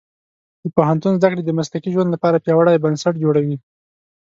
د پوهنتون زده کړې د مسلکي ژوند لپاره پیاوړي بنسټ جوړوي.